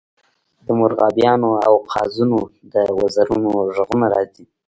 د مرغابیانو او قازونو د وزرونو غږونه راځي